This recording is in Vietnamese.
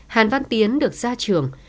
hàn văn tiến được ra trường